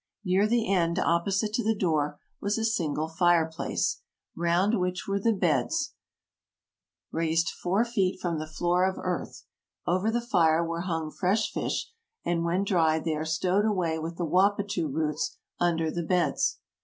Near the end opposite to the door was a single fireplace, round which were the beds, raised four feet from the floor of earth ; over the fire were hung fresh fish, and when dried they are stowed away with the wappatoo roots under the beds.